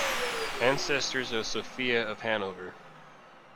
Ancestors of Sophia of Hanover.